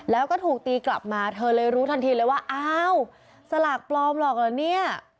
แล้วก็ถูกตีกลับมาเธอเลยรู้ทันทีเลยว่าอ้าวสลากปลอมหรอกเหรอเนี่ย